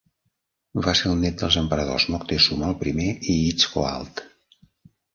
Va ser el nét dels emperadors Moctezuma el Primer i Itzcoatl.